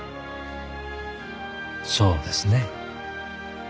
そうですねえ。